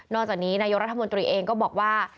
จากนี้นายกรัฐมนตรีเองก็บอกว่า